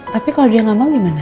tapi kalau dia nggak mau gimana